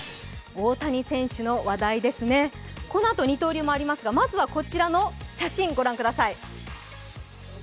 大谷選手の話題ですね、このあと二刀流もありますが、まずは、こちらの写真ご覧ください。